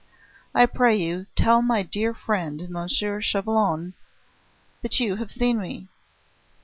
I pray you, tell my dear friend M. Chauvelin that you have seen me.